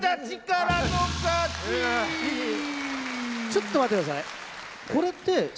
ちょっと待って下さい。